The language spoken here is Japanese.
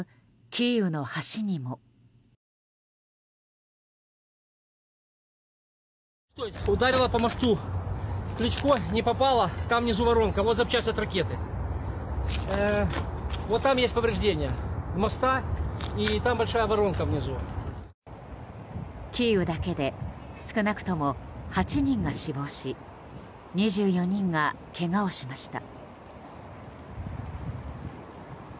キーウだけで少なくとも８人が死亡し２４人がけがをしました。